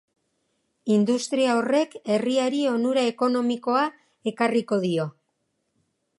Industria horrek herriari onura ekonomikoa ekarriko dio.